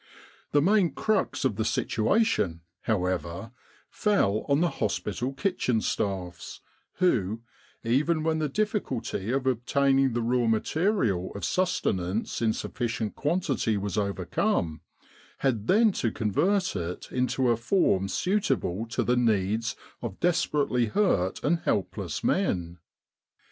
The main crux of the situation, however, fell on the hospital kitchen staffs, who, even when the difficulty of obtaining the raw material of sustenance in sufficient quantity was overcome, had then to convert it into a form suitable to the needs of desperately hurt and helpless men.